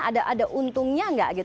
sebagai petahana ada untungnya enggak